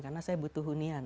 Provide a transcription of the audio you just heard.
karena saya butuh hunian